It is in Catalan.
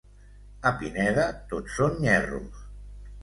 A Pineda tots són nyerros.